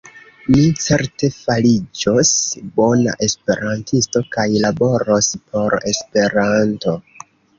Mi certe fariĝos bona esperantisto kaj laboros por Esperanto.